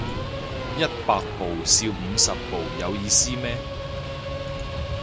一百步笑五十步有意思咩